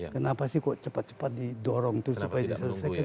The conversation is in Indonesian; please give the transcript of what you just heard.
kenapa sih kok cepat cepat didorong tuh supaya diselesaikan